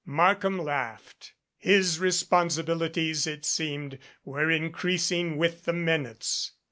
Markham laughed. His responsibilities, it seemed, were increasing with the minutes.